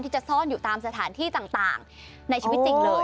จะซ่อนอยู่ตามสถานที่ต่างในชีวิตจริงเลย